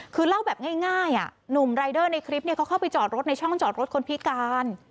คือเล่าแบบง่ายหนุ่มรายเดอร์ในคลิปเขาเข้าไปจอดรถในช่องจอดรถคนพิการ